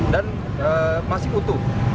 dan masih utuh